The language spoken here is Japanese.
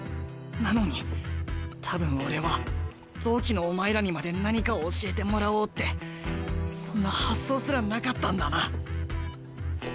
なのに多分俺は同期のお前らにまで何かを教えてもらおうってそんな発想すらなかったんだな。